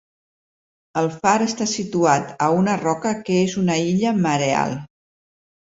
El far està situat a una roca que és una illa mareal.